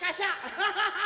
ハハハハ！